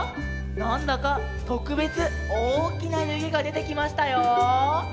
なんだかとくべつおおきなゆげがでてきましたよ。